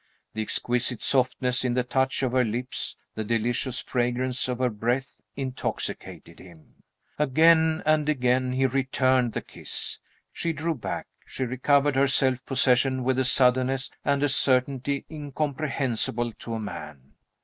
The exquisite softness in the touch of her lips, the delicious fragrance of her breath, intoxicated him. Again and again he returned the kiss. She drew back; she recovered her self possession with a suddenness and a certainty incomprehensible to a man.